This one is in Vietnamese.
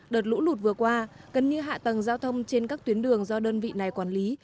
đợt lũ lụt vừa qua gần như hạ tầng giao thông trên các tuyến đường do đơn vị này quản lý